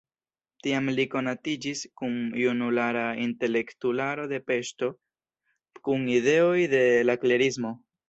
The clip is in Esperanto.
Tiam li konatiĝis kun junulara intelektularo de Peŝto, kun ideoj de la klerismo.